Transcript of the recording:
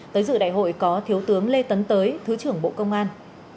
tới dự đại hội có thiếu tướng lê tấn tới thứ trưởng bộ công an